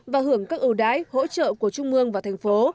và hưởng các ưu đái hỗ trợ của trung mương và thành phố